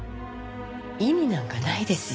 意味なんかないですよ。